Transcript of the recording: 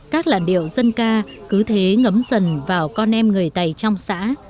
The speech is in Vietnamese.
các làn điệu dân ca cứ thế ngấm dần vào con em người tày trong xã